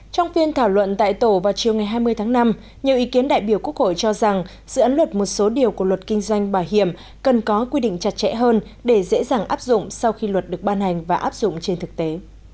trong phiên thảo luận tại tổ vào chiều ngày hai mươi tháng năm nhiều ý kiến đại biểu quốc hội cho rằng dự án luật một số điều của luật kinh doanh bảo hiểm cần có quy định chặt chẽ hơn để dễ dàng áp dụng sau khi luật được ban hành và áp dụng trên thực tế